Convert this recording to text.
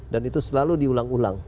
dan itu selalu diulang ulang